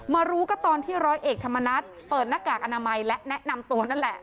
รู้ก็ตอนที่ร้อยเอกธรรมนัฐเปิดหน้ากากอนามัยและแนะนำตัวนั่นแหละ